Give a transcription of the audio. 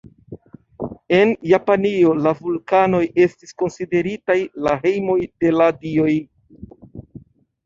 En Japanio la vulkanoj estis konsideritaj la hejmoj de la dioj.